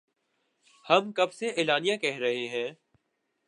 ہم کب سے اعلانیہ کہہ رہے ہیں